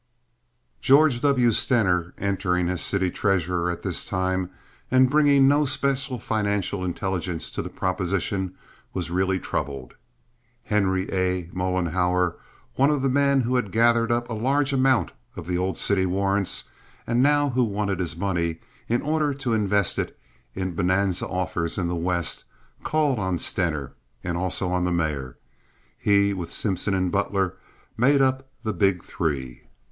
George W. Stener, entering as city treasurer at this time, and bringing no special financial intelligence to the proposition, was really troubled. Henry A. Mollenhauer, one of the men who had gathered up a large amount of the old city warrants, and who now wanted his money, in order to invest it in bonanza offers in the West, called on Stener, and also on the mayor. He with Simpson and Butler made up the Big Three.